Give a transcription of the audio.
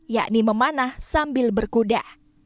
yakni memanah sambil berkuda